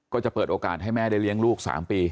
ก็จะเปิดโอกาสให้แม่ได้เลี้ยงลูก๓ปี